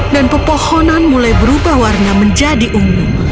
dan pepohonan mulai berubah warna menjadi ungu